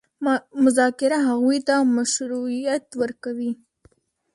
مذاکره هغوی ته مشروعیت ورکوي.